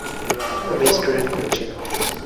আমি স্টুডেন্ট খুঁজছি না।